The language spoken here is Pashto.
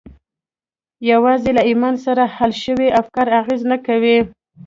یوازې له ایمان سره حل شوي افکار اغېز نه کوي